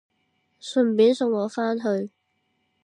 順便送我返去